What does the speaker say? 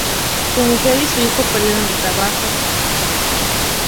Su mujer y su hijo perdieron el trabajo.